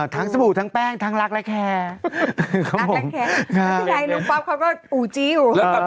ทั้งสบู่ทั้งแป้งทั้งรักและแคร์ครับผมทั้งรักและแคร์ที่ใดลูกป๊อบเขาก็อู่จี้อยู่